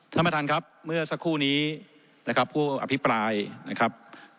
ท่านประธานครับเมื่อสักครู่นี้นะครับผู้อภิปรายนะครับ